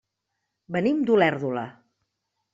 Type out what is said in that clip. Venim d'Olèrdola.